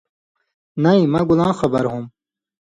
نَیں مہ گولاں خبر ہوم